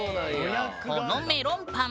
このメロンパン